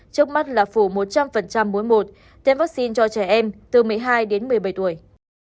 trước mắt là phủ một trăm linh mối một tiêm vaccine cho trẻ em từ một mươi hai đến một mươi bảy tuổi